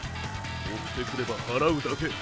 追ってくれば払うだけ。